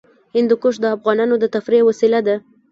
هندوکش د افغانانو د تفریح وسیله ده.